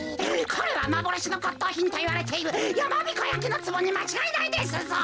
これはまぼろしのこっとうひんといわれているやまびこやきのつぼにまちがいないですぞ！